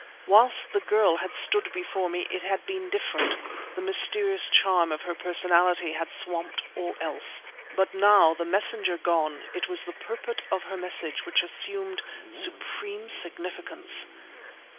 Whilst the girl had stood before me it had been different—the mysterious charm of her personality had swamped all else. But now, the messenger gone, it was the purport of her message which assumed supreme significance.